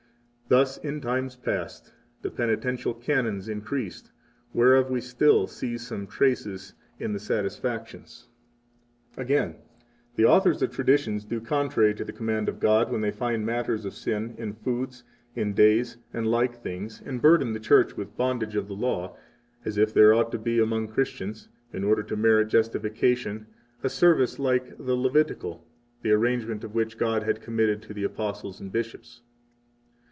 Thus in times past the Penitential Canons increased, whereof we still see some traces in the satisfactions. 39 Again, the authors of traditions do contrary to the command of God when they find matters of sin in foods, in days, and like things, and burden the Church with bondage of the law, as if there ought to be among Christians, in order to merit justification a service like the Levitical, the arrangement of which God had committed to the Apostles and bishops.